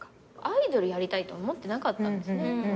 アイドルやりたいと思ってなかったんですね